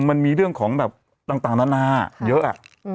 มันมีเรื่องของแบบต่างนานาเยอะ